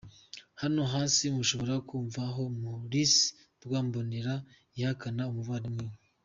Hano hasi mushobora kumva aho Maurice Rwambonera yihakana umuvandimwe we: